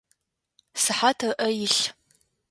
Сыхьат ыӏэ илъ.